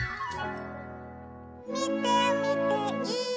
「みてみてい！」